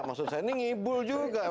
maksud saya ini ngibul juga